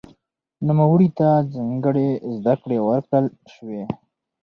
نوموړي ته ځانګړې زده کړې ورکړل شوې.